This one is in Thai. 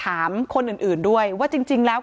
การแก้เคล็ดบางอย่างแค่นั้นเอง